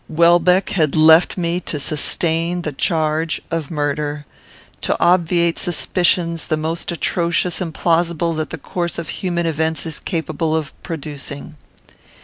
Welbeck had left me to sustain the charge of murder; to obviate suspicions the most atrocious and plausible that the course of human events is capable of producing.